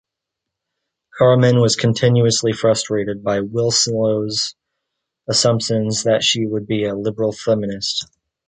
Carmen is continuously frustrated by Winslow's assumption that she should be a liberal feminist.